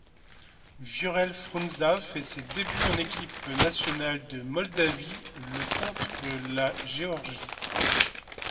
Viorel Frunză fait ses débuts en équipe nationale de Moldavie le contre la Géorgie.